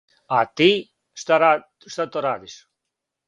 А ти, шта то радиш?